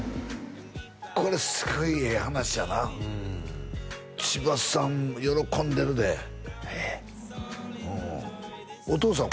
これすごいええ話やな千葉さん喜んでるでええお父さん